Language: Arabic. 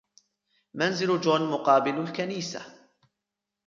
منزل جون مقابل الكنيسة.